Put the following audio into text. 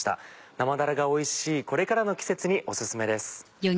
生だらがおいしいこれからの季節にお薦めです。